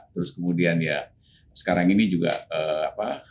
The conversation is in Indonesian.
terus kemudian ya sekarang ini juga apa